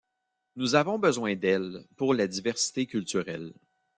Nous avons besoin d’elles pour la diversité culturelle.